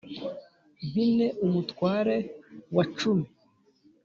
Bine umutware wa cumi